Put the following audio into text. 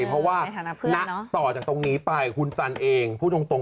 ใช่เพราะว่าต่อจากตรงนี้ไปคุณแซ่นเองพูดถูก